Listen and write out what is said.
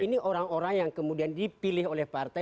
ini orang orang yang kemudian dipilih oleh partai